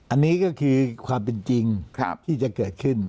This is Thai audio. อันนี้ก็คือความเป็นจริงที่จะเกิดขึ้น